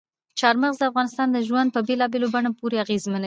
چار مغز د افغانانو ژوند په بېلابېلو بڼو پوره اغېزمنوي.